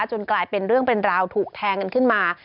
กลายเป็นเรื่องเป็นราวถูกแทงกันขึ้นมา